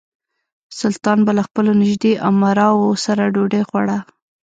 سلطان به له خپلو نژدې امراوو سره ډوډۍ خوړه.